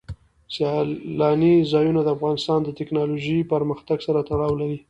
سیلانی ځایونه د افغانستان د تکنالوژۍ پرمختګ سره تړاو لري.